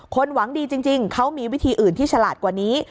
หวังดีจริงเขามีวิธีอื่นที่ฉลาดกว่านี้